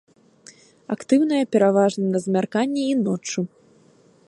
Актыўная пераважна на змярканні і ноччу.